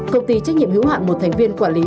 công ty trách nhiệm hữu hạn một thành viên quản lý